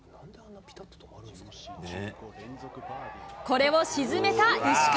これを沈めた石川。